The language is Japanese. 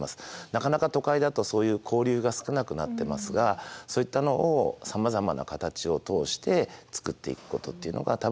なかなか都会だとそういう交流が少なくなってますがそういったのをさまざまな形を通して作っていくことっていうのが多分。